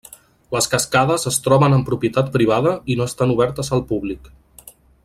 Les cascades es troben en propietat privada i no estan obertes al públic.